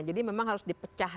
jadi memang harus dipecah gitu